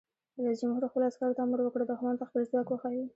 رئیس جمهور خپلو عسکرو ته امر وکړ؛ دښمن ته خپل ځواک وښایئ!